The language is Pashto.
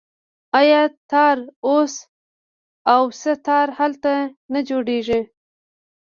آیا تار او سه تار هلته نه جوړیږي؟